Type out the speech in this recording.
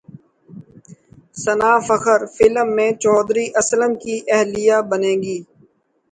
ثنا Fakhar film میں چوہدری اسلم کی اہلیہ بنیں گی